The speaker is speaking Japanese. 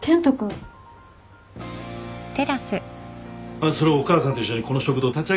あっそれお母さんと一緒にこの食堂立ち上げたときの。